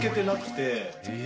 え。